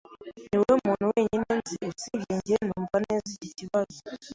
Niwowe muntu wenyine nzi usibye njye wumva neza iki kibazo.